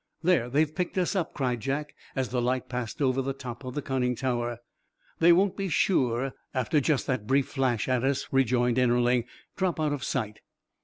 "There, they've picked us up," cried Jack, as the light passed over the top of the conning tower. "They won't be sure after just that brief flash at us," rejoined Ennerling. "Drop out of sight."